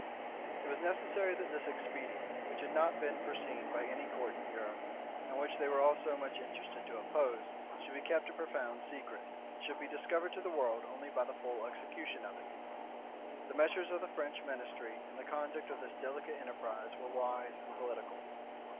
It was necessary that this expedient, which had not been foreseen by any court in Europe, and which they were all so much interested to oppose, should be kept a profound secret, and should be discovered to the world only by the full execution of it. The measures of the French ministry in the conduct of this delicate enterprise were wise and political.